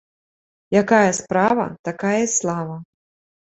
Якая справа, такая й слава